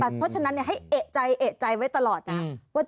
เพราะฉะนั้นให้เอกใจไว้ตลอดนะครับ